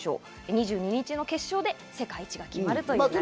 ２２日の決勝で世界一が決まります。